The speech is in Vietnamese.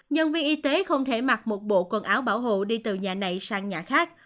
nhân viên y tế không thể mặc một bộ quần áo bảo hộ đi từ nhà này sang nhà khác